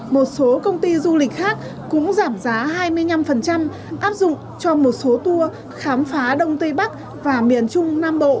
một số công ty du lịch khác cũng giảm giá hai mươi năm áp dụng cho một số tour khám phá đông tây bắc và miền trung nam bộ